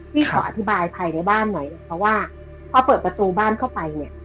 พี่ขออธิบายภายในบ้านหน่อยเพราะว่าพอเปิดประตูบ้านเข้าไปเนี่ย